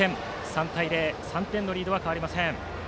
３対０と３点リードは変わりません。